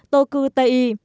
tô cư tây y